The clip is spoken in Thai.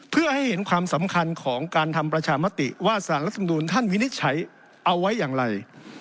เพื่อให้เห็นความสำคัญของการทำประชามติว่าสารรัฐมนูลท่านวินิจฉัยเอาไว้อย่างไร